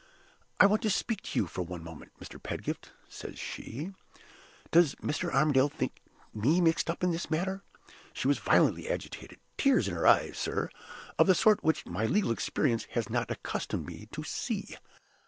'I want to speak to you for one moment, Mr. Pedgift!' says she. 'Does Mr. Armadale think me mixed up in this matter?' She was violently agitated tears in her eyes, sir, of the sort which my legal experience has not accustomed me to see.